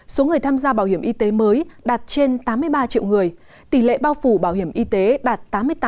số người tham gia bảo hiểm y tế mới đạt trên tám mươi ba triệu người tỷ lệ bao phủ bảo hiểm y tế đạt tám mươi tám tám